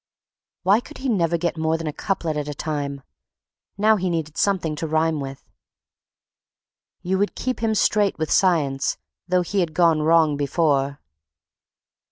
'" Why could he never get more than a couplet at a time? Now he needed something to rhyme with: "You would keep Him straight with science, tho He had gone wrong before..."